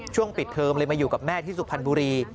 ช่วงปิดเทอมเลยมาอยู่กับแม่ที่สุพรรณบุรี